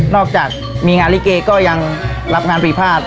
อกจากมีงานลิเกก็ยังรับงานปีภาษ